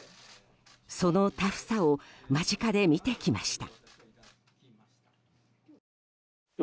そのタフさを間近で見てきました。